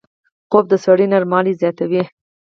خوب د سړي نرموالی زیاتوي